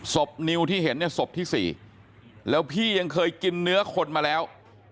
นิวที่เห็นเนี่ยศพที่๔แล้วพี่ยังเคยกินเนื้อคนมาแล้ว